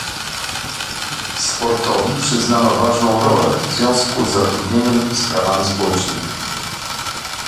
Sportowi przyznano ważną rolę w związku z zatrudnieniem i sprawami społecznymi